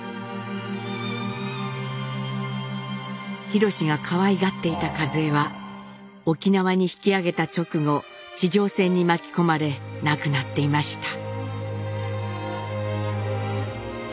廣がかわいがっていたカズエは沖縄に引き揚げた直後地上戦に巻き込まれ亡くなっていました。